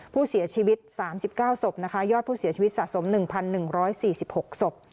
ผู้เสียชีวิตสามสิบเก้าศพนะคะยอดผู้เสียชีวิตสะสมหนึ่งพันหนึ่งร้อยสี่สิบหกศพ